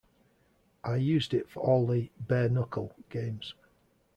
I used it for all the "Bare Knuckle" Games.